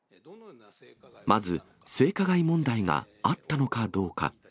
まず、性加害問題があったのかどうか。